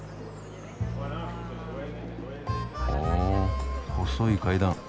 おお細い階段。